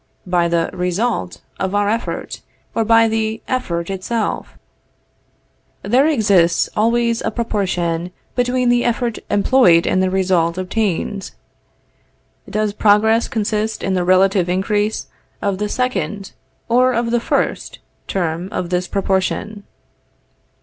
By the result of our effort, or by the effort itself? There exists always a proportion between the effort employed and the result obtained. Does progress consist in the relative increase of the second or of the first term of this proportion?